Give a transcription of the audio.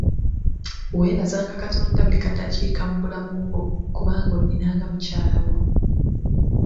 Weebazenga Katonda buli kadakiika mu bulamu bwo kubanga onnina nga mukyala wo.